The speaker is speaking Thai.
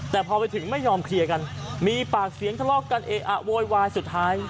แต่พอไปถึงไม่ยอมเคลียร์กันมีปากเสียงทะเลาะกันเออะโวยวายสุดท้าย